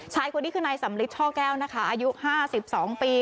ชายคนนี้คือนายสำลิดช่อแก้วนะคะอายุ๕๒ปี